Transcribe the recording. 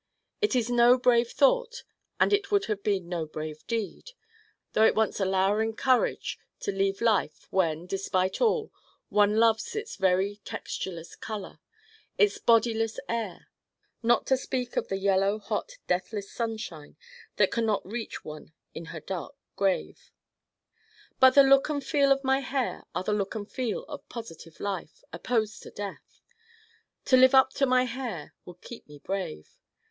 It is no brave thought and it would have been no brave deed. Though it wants a lowering courage to leave life when, despite all, one loves its very textureless color, its bodiless air: not to speak of the yellow hot deathless sunshine that can not reach one in her dark grave But the look and feel of my hair are the look and feel of positive life, opposed to death. To live up to my hair would keep me brave.